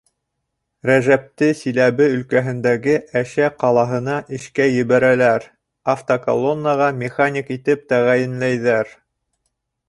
Рәжәпте Силәбе өлкәһендәге Әшә ҡалаһына эшкә ебәрәләр, автоколоннаға механик итеп тәғәйенләйҙәр.